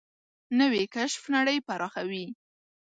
نوې کشف نړۍ پراخوي